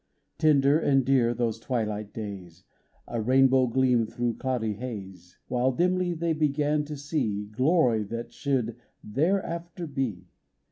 " Tender and dear those twilight days, — A rainbow gleam through cloudy haze, — While dimly they began to see Glory that should thereafter be.